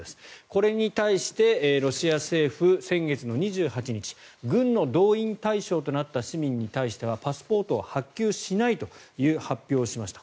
これに対してロシア政府、先月２８日軍の動員対象となった市民に対してはパスポートを発給しないという発表をしました。